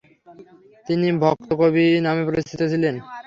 তিনি ভক্তকবি নামে পরিচিত ছিলেন।